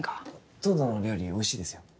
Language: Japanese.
東堂の料理おいしいですよ